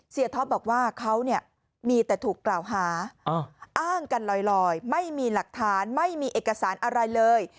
ท็อปบอกว่าเขาเนี่ยมีแต่ถูกกล่าวหาอ้างกันลอยไม่มีหลักฐานไม่มีเอกสารอะไรเลย